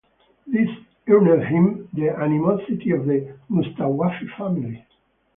This earned him the animosity of the Mustawfi family.